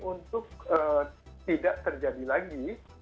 untuk tidak terjadi lagi